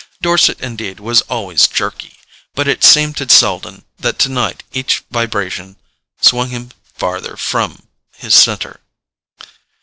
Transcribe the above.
Dorset indeed was always jerky; but it seemed to Selden that tonight each vibration swung him farther from his centre.